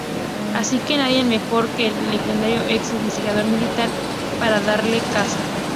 Así que nadie mejor que el legendario ex investigador militar para darle caza.